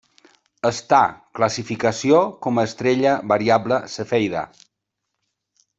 Està classificació com a estrella variable cefeida.